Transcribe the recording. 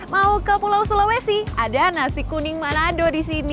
mau ke pulau sulawesi ada nasi kuning manado